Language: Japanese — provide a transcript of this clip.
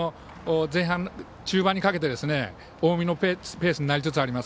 中盤にかけて近江のペースになりつつあります。